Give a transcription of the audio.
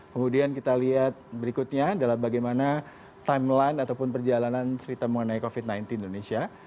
kemudian kita lihat berikutnya adalah bagaimana timeline ataupun perjalanan cerita mengenai covid sembilan belas di indonesia